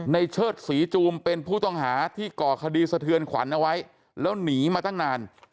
เชิดศรีจูมเป็นผู้ต้องหาที่ก่อคดีสะเทือนขวัญเอาไว้แล้วหนีมาตั้งนาน